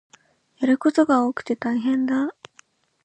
やることが多くて大変だ